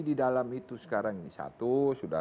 di dalam itu sekarang ini satu sudah